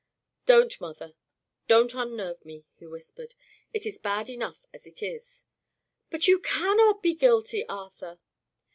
"Don't, mother! don't unnerve me," he whispered. "It is bad enough as it is." "But you cannot be guilty, Arthur."